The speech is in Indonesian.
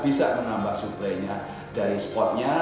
bisa menambah suplainya dari spotnya